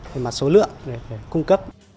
để mặt số lượng để cung cấp